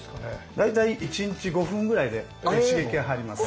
大体１日５分ぐらいで刺激が入ります。